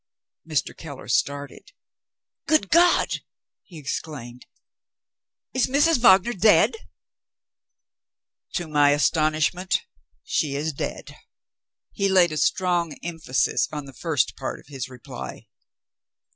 Mr. Keller started. "Good God!" he exclaimed, "is Mrs. Wagner dead?" "To my astonishment, she is dead." He laid a strong emphasis on the first part of his reply.